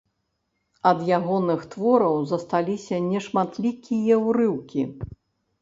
Ад ягоных твораў засталіся нешматлікія ўрыўкі.